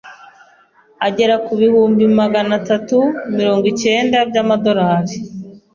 agera ku bihumbi Magana atatu mirongo icyenda by’amadorari